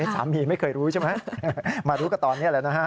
สามีไม่เคยรู้ใช่ไหมมารู้ก็ตอนนี้แหละนะฮะ